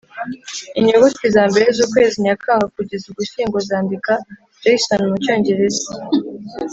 inyuguti zambere zukwezi nyakanga kugeza ugushyingo zandika jason mu cyongereza